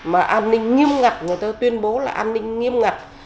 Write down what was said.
mà an ninh nghiêm ngặt người ta tuyên bố là an ninh nghiêm ngặt